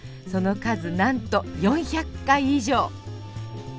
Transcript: その数なんと４００回以上！